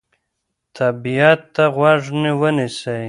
طبیعت ته غوږ ونیسئ.